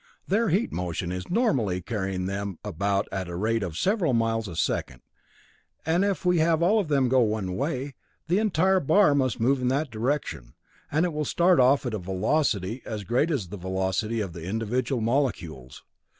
Their heat motion is normally carrying them about at a rate of several miles a second, and if now we have them all go in one way, the entire bar must move in that direction, and it will start off at a velocity as great as the velocity of the individual molecules.